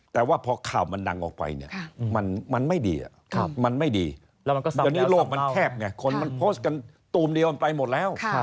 แต่ว่าพอข่าวมันดังออกไปเนี่ยมันไม่ดีมันไม่ดีเดี๋ยวนี้โลกมันแคบไงคนมันโพสต์กันตูมเดียวมันไปหมดแล้ว